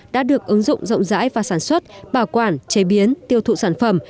đã được ứng dụng rộng rãi và sản xuất bảo quản chế biến tiêu thụ sản phẩm